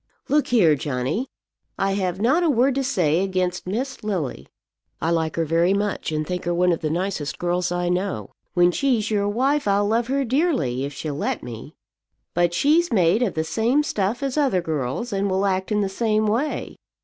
"Look here, Johnny. I have not a word to say against Miss Lily. I like her very much, and think her one of the nicest girls I know. When she's your wife, I'll love her dearly, if she'll let me. But she's made of the same stuff as other girls, and will act in the same way.